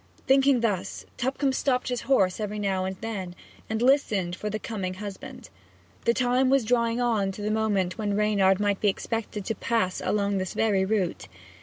Thinking thus, Tupcombe stopped his horse every now and then, and listened for the coming husband. The time was drawing on to the moment when Reynard might be expected to pass along this very route.